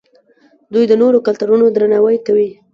دوی د نورو کلتورونو درناوی کوي.